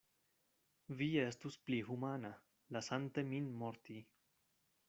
Vi estus pli humana, lasante min morti.